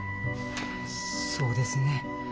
そうですね。